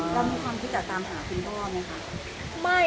อ๋อแล้วมีความที่จะตามหาคุณพ่อไหมคะ